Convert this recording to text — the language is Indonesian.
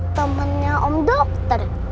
temennya om dokter